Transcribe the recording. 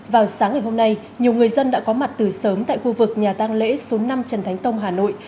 vào sáng ngày hôm nay nhiều người dân đã có mặt từ sớm tại khu vực nhà tăng lễ số năm trần thánh tông hà nội